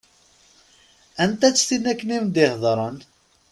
Anta-tt tin akken i m-d-iheddṛen?